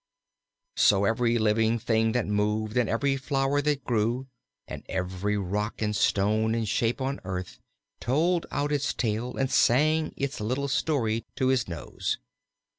So every living thing that moved, and every flower that grew, and every rock and stone and shape on earth told out its tale and sang its little story to his nose.